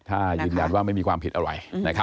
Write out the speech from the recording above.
ถ้ายืนยันว่าไม่มีความผิดอะไร